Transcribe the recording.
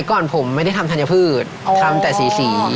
ก่อนผมไม่ได้ทำธัญพืชทำแต่สี